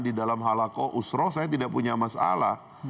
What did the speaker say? di dalam halako usroh saya tidak punya masalah